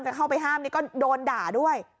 เข้าไปห้ามนี่ก็โดนด่าด้วย